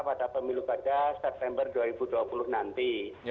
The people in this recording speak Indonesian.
pada pemilu pada september dua ribu dua puluh nanti